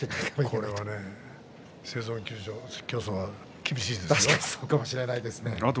これは、生存競争は厳しいかもしれないですよ。